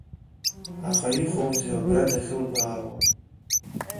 Аха иҟоузеи убра дахьылбаауа?